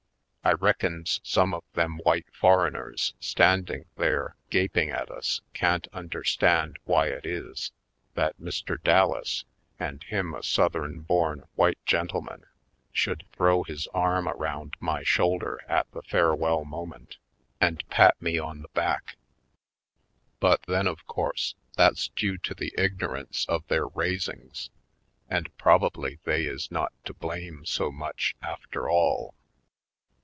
I reckons some of them white foreigners standing there gap ing at us can't understand why it is that Mr. Dallas, and him a Southern born white gentleman, should throw his arm around my shoulder at the farewell moment and pat me on the back. But then, of course, that's due to the ignorance of their raisings and probably they is not to blame so much after all.